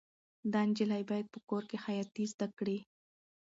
دا نجلۍ باید په کور کې خیاطي زده کړي.